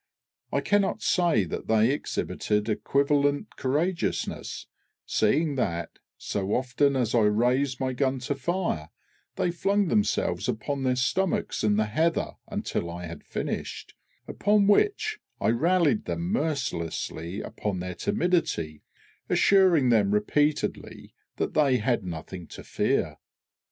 I cannot say that they exhibited equivalent courageousness, seeing that, so often as I raised my gun to fire, they flung themselves upon their stomachs in the heather until I had finished, upon which I rallied them mercilessly upon their timidity, assuring them repeatedly that they had nothing to fear.